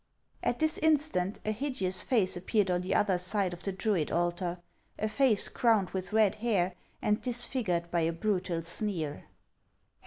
At this instant a hideous face appeared on the other side of the Druid altar, a face crowned with red hair, and disfigured by a brutal sneer.